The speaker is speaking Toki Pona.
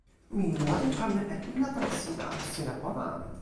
mi lanpan e ijo tan sina. sina pona!